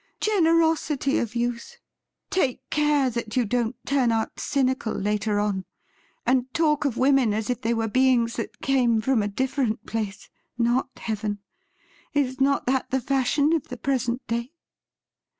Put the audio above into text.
' Generosity of youth ! Take care that you don't turn out cynical later on, and talk of women as if they were beings that came from a different place — not heaven. Is not that the fashion of the present day